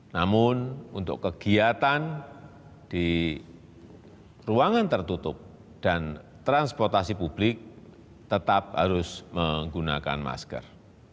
namun untuk kegiatan di ruangan tertutup dan transportasi publik tetap harus menggunakan masker